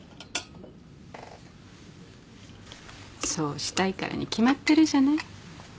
そうしたいからに決まってるじゃない。